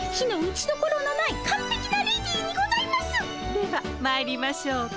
ではまいりましょうか。